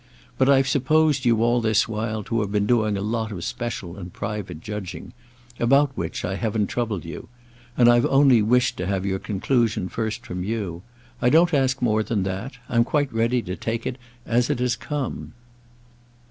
But I've supposed you all this while to have been doing a lot of special and private judging—about which I haven't troubled you; and I've only wished to have your conclusion first from you. I don't ask more than that; I'm quite ready to take it as it has come."